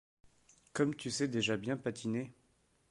Comme tu sais déjà bien patiner !